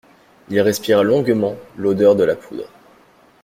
Il respira longuement l'odeur de la poudre.